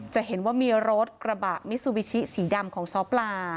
จะเห็นว่ามีรถกระบะมิซูบิชิสีดำของซ้อปลา